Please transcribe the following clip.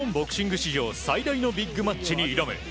日本ボクシング史上最大のビッグマッチに挑む